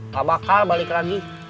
pak bakal balik lagi